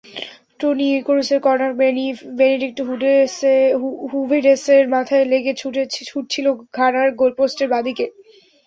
Tony ক্রুসের corner Benedikt হুভেডেসের মাথায় লেগে ছুটছিল ঘানার গোলপোস্টের বাঁদিকে।